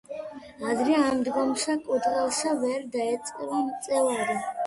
ადრე ამდგომსა კურდღელსა ვერ დაეწევა მწევარი